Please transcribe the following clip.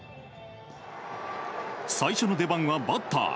最初の出番はバッター。